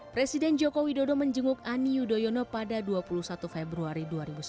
presiden joko widodo menjenguk ani yudhoyono pada dua puluh satu februari dua ribu sembilan belas